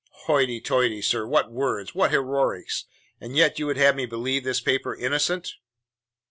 "Hoity toity, sir! What words! What heroics! And yet you would have me believe this paper innocent?"